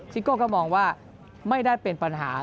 โก้ก็มองว่าไม่ได้เป็นปัญหา